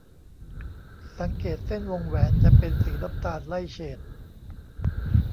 สังเกตเส้นวงแหวนจะเป็นสีน้ำตาลไล่เฉด